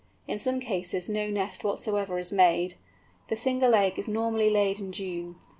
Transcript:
In some cases no nest whatever is made. The single egg is laid normally in June.